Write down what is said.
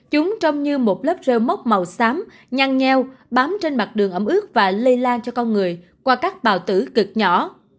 chúng trông như một lớp rêu mốc màu xám nhăn nheo bám trên mặt đường ẩm ướt và lây lan cho con người qua các bào tử cực nhỏ